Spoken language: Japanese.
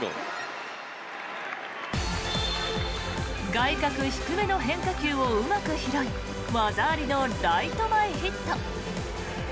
外角低めの変化球をうまく拾い技ありのライト前ヒット。